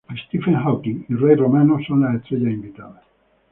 Stephen Hawking y Ray Romano son las estrellas invitadas.